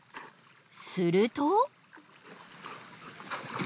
すると。